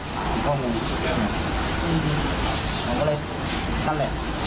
ผมก็เลยนั่นแหละ